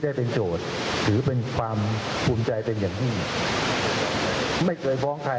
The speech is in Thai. ได้เป็นโจทย์ถือเป็นความภูมิใจเป็นอย่างยิ่งไม่เคยฟ้องใคร